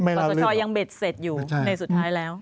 กว่าสตรีชอยังเบ็ดเสร็จอยู่ในสุดท้ายแล้ว